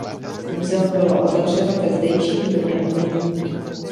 Muzeum bylo otevřeno ve zdejším Domě umění.